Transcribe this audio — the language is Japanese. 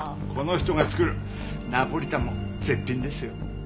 この人が作るナポリタンも絶品ですよ。